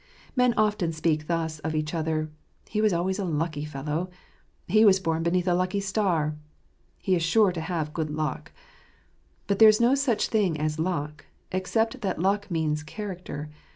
Men often speak thus of each other, " He was always a lucky fellow ";" He was born beneath a lucky star " He is sure to have good luck." But there is no such thing as luck, except that luck means character.